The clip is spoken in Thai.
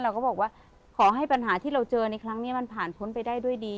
เราก็บอกว่าขอให้ปัญหาที่เราเจอในครั้งนี้มันผ่านพ้นไปได้ด้วยดี